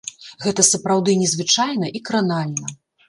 Гэта сапраўды незвычайна і кранальна.